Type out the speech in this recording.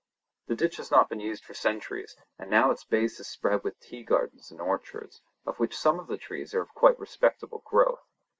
The ditch has not been used for centuries, and now its base is spread with tea gardens and orchards, of which some of the trees are of quite respectable growth.